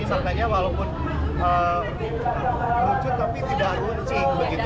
ini sepertinya walaupun lucu tapi tidak runcing